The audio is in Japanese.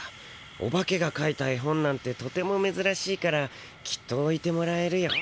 オバケがかいた絵本なんてとてもめずらしいからきっとおいてもらえるよ。